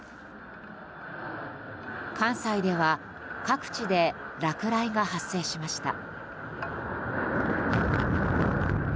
関西では各地で落雷が発生しました。